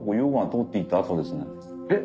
えっ？